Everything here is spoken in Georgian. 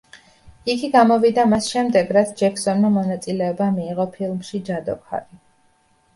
იგი გამოვიდა მას შემდეგ, რაც ჯექსონმა მონაწილეობა მიიღო ფილმში „ჯადოქარი“.